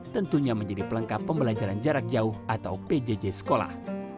tentunya menjadi pelengkap pembelajaran jarak jauh atau pjj sekolah